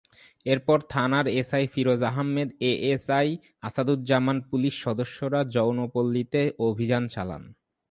এরপর থানার SI Firoz Ahmed, ASI আসাদুজ্জামানসহ পুলিশ সদস্যরা যৌনপল্লিতে অভিযান চালান।